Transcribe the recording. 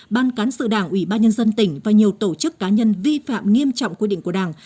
ban cán sự đảng ủy ban nhân dân tỉnh và nhiều tổ chức cá nhân vi phạm nghiêm trọng quy định của đảng